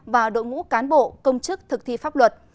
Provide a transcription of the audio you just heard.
và đội ngũ cán bộ công chức thực thi pháp luật